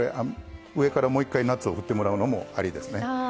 上からもう一回ナッツを振ってもらうのもありですね。